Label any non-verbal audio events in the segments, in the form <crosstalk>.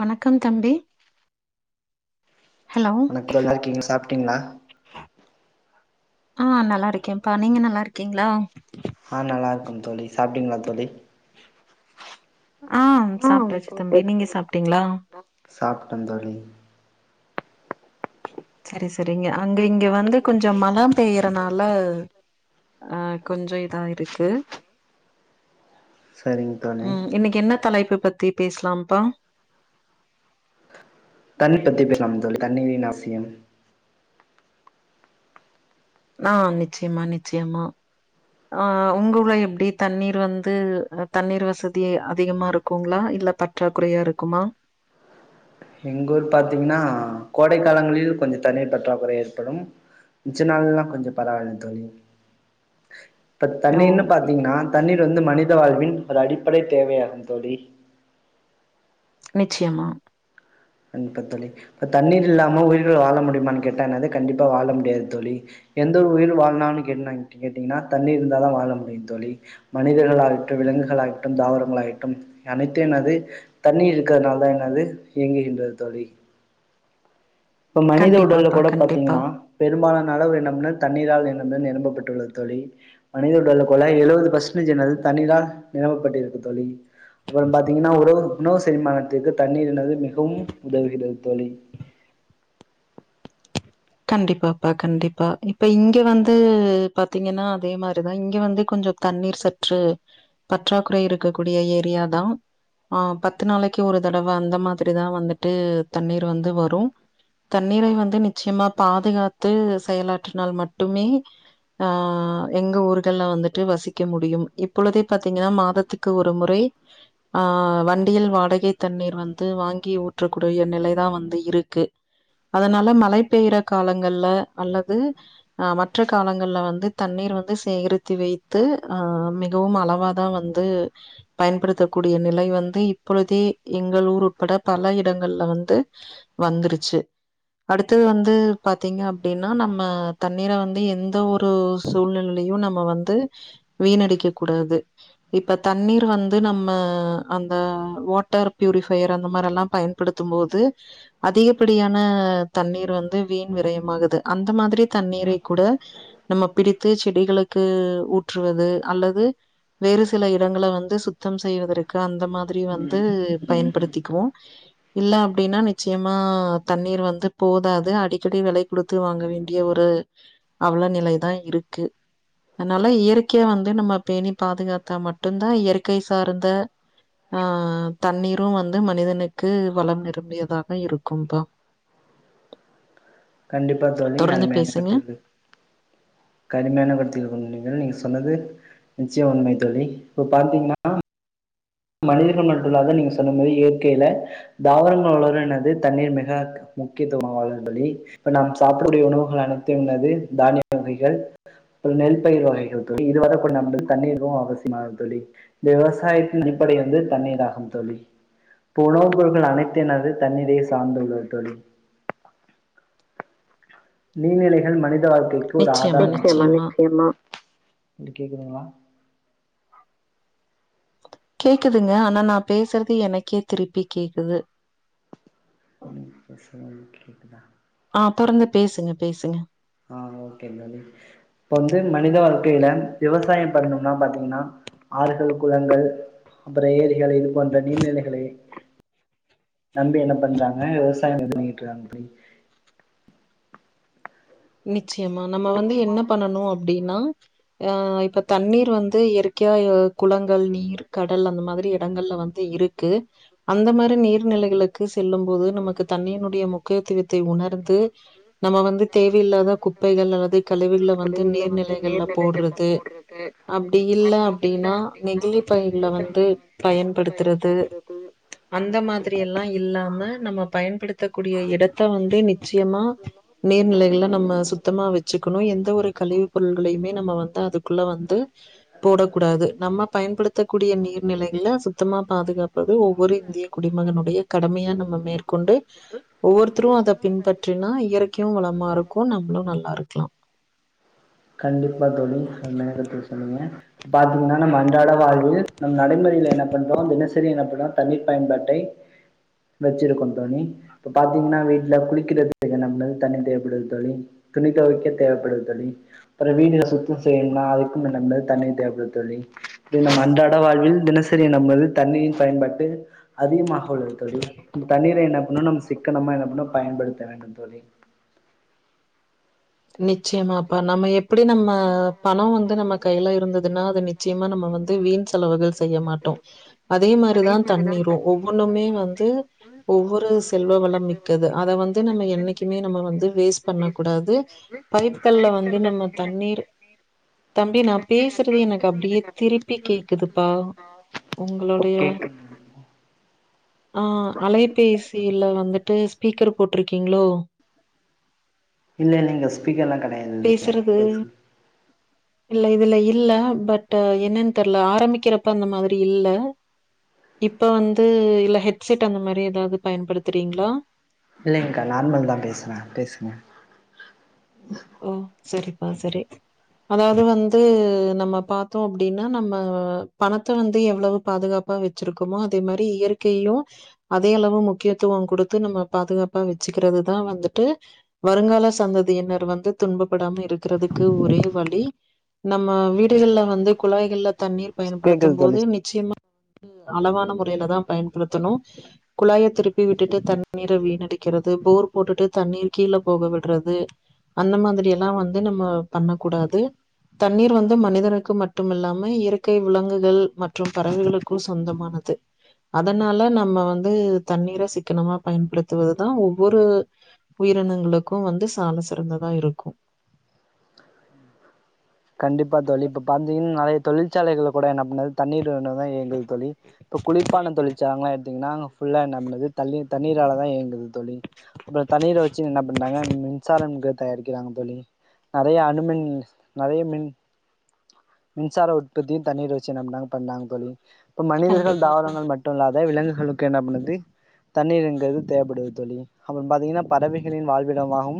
வணக்கம் தம்பி ஹலோ வணக்கோ நல்லாரிங்க சாப்ட்டீங்களா ஆ நல்லா இருக்கேன்ப்பா நீங்க நல்லா இருக்கீங்களா ஆ நல்லா இருக்கோம் தோளி சாப்பிட்டீங்களா தோளி ஆ சாப்பிடாச்சு தம்பி நீங்க சாப்பிட்டீங்களா சாப்டன் தோழி சரி சரிங்க அங்க இங்க வந்து கொஞ்சு மழம் பெயறனால ஆ கொஞ்சு இதா இருக்கு சரிங்க தோழி உம் இன்னைக்கு என்ன தலைப்பு பத்தி பேசலாம்ப்பா தண்ணி பத்தி பேசலாம் தோளி தண்ணீரின் அவசியம் ஆ நிச்சயமா நிச்சயமா ஆ உங்கூருல எப்பிடி தண்ணீர் வந்து தண்ணீர் வசதி அதிகமா இருக்குங்களா இல்ல பற்றாக்குறையா இருக்குமா எங்க ஊர் பாத்தீங்கன்னா கோடைக்கலங்களில் கொஞ்சு தண்ணீர் பற்றாக்குறை ஏற்படும் மிச்ச நாள்ல்லா கொஞ்சு பரவாள தோளி இப்ப ஓ தண்ணீர்னு பாத்தீங்கின்னா தண்ணீர் வந்து மனித வாழ்வின் ஒரு அடிப்படை தேவையாகும் தோளி நிச்சயமா கண்டிப்பா தோழி இப்போ தண்ணீர் இல்லாம உயிர்கள் வாழ முடியுமான்னு கேட்டா என்னது கண்டிப்பா வாழ முடியாது தோழி எந்தொரு உயிர் வாழனுனாலு என்னான்னு கேட்டீங்கன்னா தண்ணீர் இருந்தா தா வாழ முடியு தோழி மனிதர்கள் ஆகட்டும் விலங்குகள் ஆகட்டும் தாவரங்கள் ஆகட்டும் அனைத்தும் என்னாது தண்ணீர் இருக்கிறதுனால தா என்னது இயங்கு <unintelligible> தோழி இப்ப மனித உடல் கண்டிப்பாப்பா கூட கண்டிப்பா பாத்தீங்கன்னா பெரும்பாலான அளவு என்னம்னா தண்ணீரால் என்ன நிரப்பப்பட்டுள்ளது தோழி மனித உடல்ல போல எழுவது பர்ஸ்டேன்ஸ் என்னது தண்ணீரால் நிரப்பப்பட்டிருக்கு தோழி அப்பறோ பாத்தீங்கன்னா உறவும் உணவு செரிமானத்திற்கு தண்ணீர் என்னது மிகவும் உதவுகிறது தோழி கண்டிப்பாப்பா கண்டிப்பா இப்ப இங்க வந்து பாத்தீங்கன்னா அதே மாரிதா இங்க வந்து கொஞ்சோ தண்ணீர் சற்று பற்றாக்குறை இருக்கக்கூடிய ஏரியா தா ஆஹ் பத்து நாளைக்கி ஒரு தடவை அந்த மாதிரிதா வந்துட்டு தண்ணீர் வந்து வரு தண்ணீரை வந்து நிச்சயமா பாதுகாத்து செயலாற்றினால் மட்டுமே ஆஹ் எங்க ஊர்கள்ல வந்துட்டு வசிக்க முடியும் இப்பொழுதே பாத்தீங்கனா மாதத்துக்கு ஒரு முறை ஆஹ் வண்டியில் வாடகை தண்ணீர் வந்து வாங்கி ஊற்றக்கூடிய நெலைதா வந்து இருக்கு அதனால மழை பெய்ர காலங்கள்ல அல்லது அஹ் மற்ற காலங்கள்ல வந்து தண்ணீர் வந்து சேகரித்து வைத்து அஹ் மிகவும் அளவாதா வந்து பயன்படுத்தக்கூடிய நிலை வந்து இப்பொழுதே எங்களூர் உட்பட பல இடங்கள்ல வந்து வந்துருச்சு அடுத்தது வந்து பாத்தீங்க அப்டின்னா நம்ம தண்ணீரை வந்து எந்த ஒரு சூழ்நிலையிலையும் நம்ம வந்து வீணடிக்க கூடாது இப்ப தண்ணீர் வந்து நம்ம அந்த வாட்டர் ப்யூரிஃபையர் அந்த மாரில்லா பயன்படுத்தும் போது அதிகப்படியான தண்ணீர் வந்து வீண் விரயமாகுது அந்த மாதிரி தண்ணீரை கூட நம்ம பிடித்து செடிகளுக்கு ஊற்றுவது அல்லது வேறு சில இடங்கள வந்து சுத்தம் செய்வதற்கு அந்த மா திரி வந்து பயன்படுத்திக்குவோ இல்ல அப்டினா நிச்சயமா தண்ணீர் வந்து போதாது அடி செடி வெலை குடுத்து வாங்க வேண்டிய ஒரு அவலநிலைதா இருக்கு அதனால இயற்கைய வந்து நம்ம பேணி பாதுகாத்தா மட்டுதா இயற்கை சார்ந்த ஆஹ் தண்ணீரும் வந்து மனிதனுக்கு வளம் நிரபியதாக இருக்கும்பா கண்டிப்பா தோழி தொடர்ந்து அருமையான பேசுங்க. கருத்து இது கடுமையான கருத்து இருக்க நீங்கள் நீங்க சொங்கள் சொன்னது நிச்சியோ உண்மை தோழி இப்போ பாத்தீங்கனா மனிதர்கள் மட்டுல்லாதா நீங்க சொன்னா மாரி இயற்கையில தாவரங்கள் வளருனது தண்ணீர் மிக முக்கியத்துவாய்ந்து தோழி இப்ப நாம் சாப்பிடக்கூடிய உணவுகள் அனைத்துனது தானிய வகைகள் அப்பறோ நெல் பயிர் வகைகள் தோழி இதுவர கூட நம்ளுது தண்ணீரு அவசியமாது தோழி இந்த விவசாயத் தின் அடிப்படை வந்து தண்ணீதாகும் தோழி இப்ப உணவு பொருட்கள் அனைத்தினது தண்ணீரயே சார்ந்துள்ளது தோழி நீர்நிலைகள் மனித மனித வாழ்க்கைக்கு ஒரு நிச்சயமா, ஆதாரமாக நிச்சயமா. இது கேக்குதுங்களா கேக்குதுங்க ஆனா நா பேசுறது எனக்கே திருப்பி கேக்குது நீங்க பேசுறது கேக்குதா ஆ தொடர்ந்து பேசுங்க பேசுங்க ஆஹ் ஓகேங்க தோழி இப்ப வந்து மனிதவள க்கையில விவசாயோ பண்ணணுன்னு பாத்தீங்கன்னா ஆறுகள் குளங்கள் அப்பறோ ஏரிகள் இது போன்ற நீர்நிலைகளை நம்பி என்ன பண்றாங்க விவசாயோ பண்ணிட்டுறாங்க தோழி நி ச்சயமா நம்ம வந்து என்ன பண்ணணு அப்டினா ஆஹ் இப்ப தண்ணீர் வந்து இயற்கையா குளங்கள் நீர் கடல் அந்த மாதிரி இடங்கள்ல வந்து இருக்கு அந்த மாரி நீர்நிலைகளுக் கு செல்லு போது நமக்கு தண்ணியினுடைய முக்கியத்துவத்தை உணர்ந்து நம்ம வந்து தேவையில்லாத குப்பைகள் அல்லது கழிவுகள வந்து நீர்நிலைகள்ல போடுறது அப்டி இல்ல அப்டினா நெகிழி பைகள வந்து பயன்படுத்துறது அந்த மாதிரியெல்லா இல்லாம் நம்ம நம்ம பயன்படுத்தக்கூடிய இடத்த வந்து நிச் சியமா நீர்நிலை ல்ல நம்ம சுத்தமா வெச்சுக்கணு எந்த ஒரு கழிவு பொருள்களையுமே நம்ம வந்து அதுக்குள்ள வந்து போடக்கூடாது நம்ம பயன்படுத்தக்கூடிய நீர்நிலைகள சுத்தமா பாதுகாப்பது ஒவ்வொரு இந்திய குடிமகனுடைய கடமையா நம்ம மேற்கொண்டு ஒவ்வொரு தரு அத பின்பற்றினா இயற் க்யூ வளமா இருக் கு நம்மளு நல்லா இருக்கலா கண்டிப்பா தோழி செம்மயா கருத்து சொன்னீங்க பாத்தீங்கனா நம்ம அன்றாட வாழ்வில் நம் நடைமுறையில என்ன பண்றோ தினசரி என்ன பண்றோ தண்ணீர் பயன்பாட்டை வெச்சிருக்கோ தோழி இப்ப பாத்தீங்கனா வீட்டுல குளிக்கிறதுக்கு நம்ம தண்ணி தேவைப்படுது தோழி துணி தொவைக்க தேவைப்படுது தோழி அப்பறோ வீடுகள சுத்தம் செய்யணுனா அதுக்கும் நம்மது தண்ணீ தேவைப்படுது தோழி இப்டி நம் அன்றாட வாழ்வில் தினசரி நம்மது தண்ணீ பயன்பாட்டு அதிகமா அவ்ளோ தோழி கும் தண்ணீர என்னப் இன்னும் நம்ம சிக்கனமா என்ன பண்ணும் பயன்படுத்த வேண்டும் தோழி நிச்சயமாப்பா நம்ம எப் அப்படி நம்ம பணம் வந்து நம்ம கையில இருந்ததுன்னா அத நிச்சயமா நம்ம வந்து வீண் செலவுகள் செய்ய மாட்டோம் அதே மாரிதான் தண்ணீரும் ஒவ்வொன்னுமே வந்து ஒவ்வொரு செல்வவளம் மிக்கது அத வந்து நம்ம என்னைக்குமே நம்ம வந்து வேஸ்ட் பண்ணக்கூடாது பயிர்கள்ள வந்து நம்ம தண்ணி தம்பி நான் பேசுறது எனக்கு அப்படியே திருப்பி கேக்குதுப்பா உங்களுடைய கேக்குது ஆஹ் அலைபேசியில வந்துட்டு ஸ்பீக்கர் போட்டிருக்கீங்ளோ இல்ல இல்லிங்க ஸ்பீக்கர் எல்லாம் கட் பேசுறது இல்ல இதுல இல்ல பட் என்னன்னு தெரில ஆரம்பிக்கிறப்ப அந்த மாதிரி இல்ல இப்ப வந்து இல்ல ஹெட்செட் அந்த மாரி ஏதாவது பயன்படுத்துறீங்களா இல்லைங்க்கா நார்மல் தான் பேசுறேன் பேசுங்க ஓ சரி அம் சரி அதாவது வந்து நம்ம பாத்தோம் அப்டின்னா நம்ம பணத்தை வந்து எவ்வளவு பாதுகாப்பா வச்சிருக்கோமோ அதே மாதிரி இயற்கையும் அதே அளவு முக்கியத்துவம் குடுத்து நம்ம பாதுகாப்பா வச்சுக்கிறதுதான் வந்துட்டு வருங்கால சந்ததியினர் வந்து துன்பபடாம இருக்கிறதுக்கு ஒரே வழி நம் மா வீடுகள்ல வந்து குழாய்கள்ல தண்ணீர் பயன்படுத்தும் கேக்குது போது தோழி நிச்சயமா அளவான முறையிலதான் பயன்படுத்தணும் குழாய திருப்பி விட்டுட்டு தண்ணீரை வீணடிக்கிறது போர் போட்டுட்டு தண்ணீர் கீழ போக விடுறது அந்த மாதிரி எல்லாம் வந்து நம்ம பண்ண கூடாது தண்ணீர் வந்து மனிதனுக்கு மட்டுமில்லாம இயற்கை விலங்குகள் மற்றும் பறவைகளுக்கு சொந்தமானது அதனால நம்ம வந்து தண்ணீரை சிக்கனமா பயன்படுத்துவது தான் ஒவ்வொரு உயிரினங்களுக்கும் வந்து சாலசி றந்ததா இருக்கும் கண்டிப்பா தோழி இப்ப பாத்தீங்கன்னா நறைய தொழிற்சாலைகள்ல கூட என்ன பண்ணுது தண்ணீர் <unintelligible> இயங்குது தோழி இப்ப குளிர்பான தொழிற்சால எடுத்தீங்கன்னா ஃபுல்லா என்ன பண்ணுது தள்ளி தண்ணீரால தான் இயங்குது தோழி அப்புறம் தண்ணீரை வச்சு என்ன பண்டாங்க மின்சாரம் தயாரிக்க இருக்கிறாங்க தோழி நெறைய அனுமன் நெறய மின் மின்சார உற்பத்தி தண்ணீர வச்சு என்ன பண்ணாங்க பண்ணாங்க தோழி இப்ப மனிதர்கள் கண்டிப்பாப்பா. தாவரங்கள் மட்டு இல்ல நெறய விலங்குகளுக்கு என்ன பண்ணுது தண்ணீருங்கறது தேவப்படுது தோழி அப்பறோ பாத்தீங்கனா பறவைகளின் வாழ்விடமாஹவு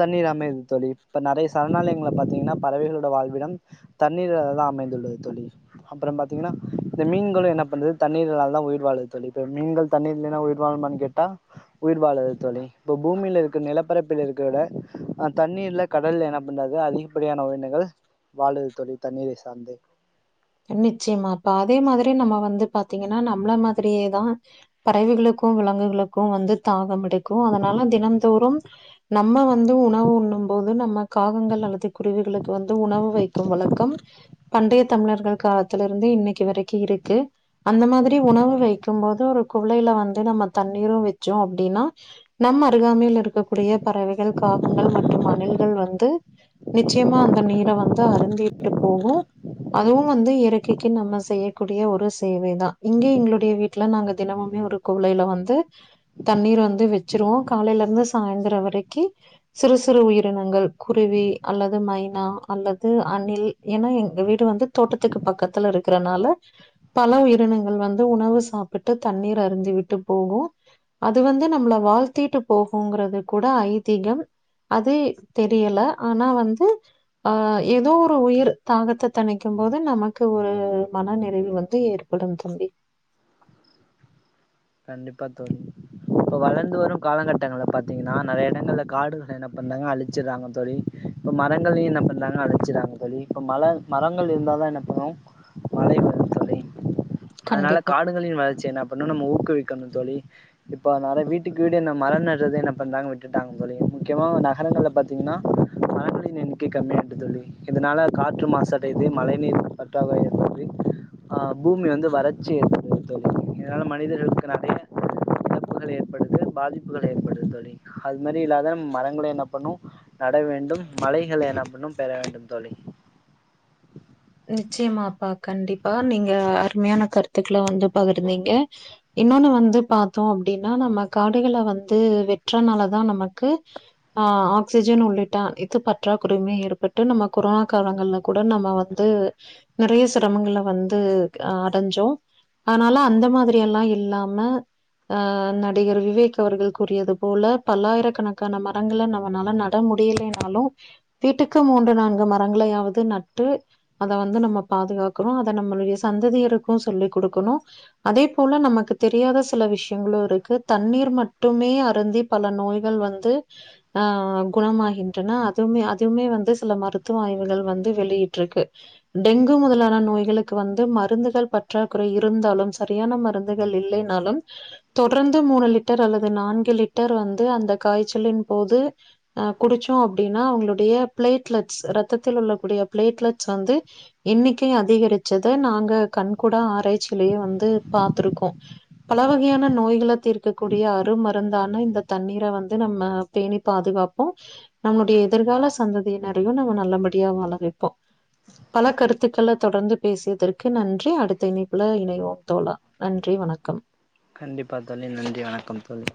தண்ணீர் அமைது தோழி இப்ப நறைய சரணாலயங்கள பாத்தீங்கனா பறவைகளோட வாழ்விடம் தண்ணீரால தா அமைந்துள்ளது தோழி அப்பறோ பாத்தீங்கனா இந்த மீன்களு என்ன பண்ணுது தண்ணீரால் தா உயிர் வாழுது தோழி இப்போ மீன்கள் தண்ணீர் இல்லைனா உயிர் வாழுமான்னு கேட்டா உயிர் வாழாது தோழி இப்போ பூமில இருக்கற நிலப்பரப்பில் இருக்கற விட அ தண்ணீர்ல கடல்ல என்ன பண்றது அதிகப்படியான உயிரினங்கள் வாழுது தோழி தண்ணீரை சார்ந்தே நிச்சயமாப்பா அதே மாதிரி நம்ம வந்து பாத்தீங்கனா நம்மள மாதிரியே தா பறவைகளுக்கு விலங்குகளுக்கு வந்து தாகமெடு டிக்கு அதனால தினம் தோறும் நம்ம வந்து உணவு உண்ணும் போது நம்ம காகங்கள் அல்லது குருவிகளுக்கு வந்து உணவு வைக்கும் வழக்கம் பண்டைய தமிழர்கள் காலத்திலருந்தே இன்னைக்கு வரைக்கு இருக்கு அந்த மாதிரி உணவு வைக்கும் போது ஒரு குவளைல வந்து நம்ம தண்ணீரு வெச்சோ அப்டின்னா நம்ம அருகாமையில் இருக்கக்கூடிய பறவைகள் காகங்கள் மற்றும் அணில்கள் வந்து நிச்சயமா அந்த நீர வந்து அருந்திட்டு போகு அதுவு வந்து இயற்கைக்கு நம்ம செய்யக்கூடிய ஒரு சேவை தா இங்க எங்களுடைய வீட்ல நாங்க தினமுமே ஒரு குவளைல வந்து தண்ணீர் வந்து வெச்சிருவோ காலைல இருந்து சாய்ந்திரோ வரைக்கி சிறு சிறு உயிரினங்கள் குருவி அல்லது மைனா அல்லது அணில் ஏனா எங்க வீடு வந்து தோட்டத்துக்கு பக்கத்துல இருக்கிறனால பல உயிரினங்கள் வந்து உணவு சாப்பிட்டு தண்ணீர் அருந்தி விட்டு போகூ அது வந்து நம்மள வாழ்த்திட்டு போகுன்றது கூட ஐதீகம் அது தெரியல ஆனா வந்து ஆ ஏதோ ஒரு உயிர் தாகத்த தணிக் கும்போது நமக்கு ஒரு மன நிறைவு வந்து ஏற்படூ தம்பி கண்டிப்பா தோழி இப்ப வளந்து வரூ காலகட்டங்கள்ல பாத்தீங்னா நெறைய இடங்கள்ல காடுகள என்ன பண்றாங்க அழிச்சுடுறாங்க தோழி இப்ப மரங்களையூ என்ன பண்றாங்க அழிச்சுடுறாங்க தோழி இப்ப மழ மரங்கள் இருந்தா தா என்ன பண்ணூ மழை வரூ தோழி அதுனால கண்டிப்பா. காடுகளின் வளர்ச்சி என்ன அப்ட் இன்னூ நம்ம ஒ ஊக்குவிக்கணூ தோழி இப்ப அத்னால வீட்டுக்கு வீடு என்ன மரோ நடுறது என்ன பண்றாங்க விட்டுட்டாங்க தோழி முக்கியமா நகரங்கள்ல பாத்தீங்னா மரங்களின் எண்ணிக்கை கம்மி ஆயிட்டு தோழி இதனால காற்று மாசு அடைது மழை நீர் பற்றாக்குறை ஏற்படுது ஆ பூமி வந்து வறட்சி <inaudible> தோழி ஆ ம னிதர்களுக்கு நறைய இழப்புகள் ஏற்படுது பாதிப்புகள் ஏற்படுது தோழி அது மாரி இல்லாத மரங்கள என்ன பண்ணூ நட வேண்டும் மழைகள என்ன பண்ணும் பெற வேண்டும் தோழி நிச்சயமாப்பா கண்டிப்பா நீங்க அருமையான கருத்துக்கள வந்து பகிர்ந்தீங்க இன்னொன்னு வந்து பாத்தோ அப்டின்னா நம்ம காடுகள வந்து வெட்டுறனாலதா தா நமக்கு ஆ ஆக்சிஜன் உள்ளிட்ட இது பற்றாக்குறையுமே ஏற்பட்டு நம்ம கொரோனா காலங்கள்ல கூட நம்ம வந் து நெறைய சிரமங்கள வந்து அடஞ்சோ அத்னால அந்த மாத்ரி எல்லா இல்லாம ஆ நடிகர் விவேக் அவர்கள் கூறியது போல பல்லாயிரக்கணக்கான மரங்கள நம்மனால நட முடியலைனாலூ வீட்டுக்கு மூன்று நான்கு மரங்களையாவது நட்டு அத வந்து நம்ம பாதுகாக்கணூ அத நம்மளுடைய சந்ததியருக்கூ சொல்லி குடுக்கணூ அதே போல நமக்கு தெரியாத சில விஷ்யங்களூ இருக்கு தண்ணீர் மட்டுமே அருந்தி பல நோய்கள் வந்து ஆ குணமாகின்றன அதுமே அதுமே வந்து சில மருத்துவ ஆய்வுகள் வந்து வெளியிட்ருக்கு டெங்கு முதலான நோய்களுக்கு வந்து மருந்துகள் பற்றாக்குறை இருந்தாலும் சரியான மருந்துகள் இல்லைனாலும் தொடர்ந்து மூணு லிட்டர் அல்லது நான்கு லிட்டர் வந்து அந்த காய்ச்சலின் போது ஆ குடிச்சோ அப்டின்னா அவுங்ளுடைய பிளேட்லெட்ஸ் ரத்தத்தில் உள்ளக்கூடிய பிளேட்லெட் ஸ் வந்து எண்ணிக்கை அதிகரிச்சத நாங்க கண்கூடா ஆராய்ச்சியிலேயே வந்து பாத்திருக்கோ பல வகையான நோய்கள தீர்க்கக்கூடிய அருமருந்தான இந்த தண்ணீர வந்து நம்ம பேணி பாதுகாப்போ நம்முடைய எதிர்கால சந்ததினரையூ நம்ம நல்லபடியா வாழ வெப்போ பல கருத் துக்கள தொடர்ந்து பேசியதற்கு நன்றி அடுத்த இணைப்புல இணைவோ தோழா நன்றி வணக்கம் கண்டிப்பா தோழி நன்றி வணக்கம் தோழி